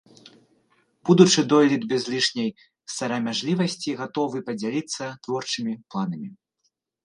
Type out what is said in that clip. Будучы дойлід без лішняй сарамяжлівасьці гатовы падзяліцца творчымі планамі.